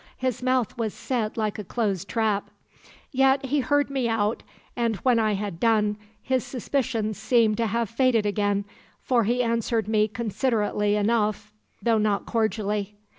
His mouth was set like a closed trap. Yet he heard me out, and, when I had done, his suspicions seemed to have faded again, for he answered me considerately enough, though not cordially.